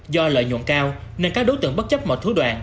do lợi nhuận cao nên các đối tượng bất chấp mọi thú đoàn